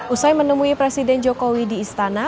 usai menemui presiden jokowi di istana